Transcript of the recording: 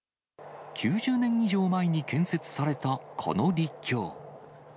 ９０年以上前に建設されたこの陸橋。